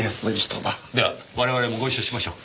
では我々もご一緒しましょう。